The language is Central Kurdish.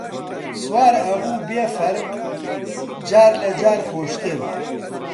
سوار ئەبوو بێ فەرق، جار لە جار خۆشتر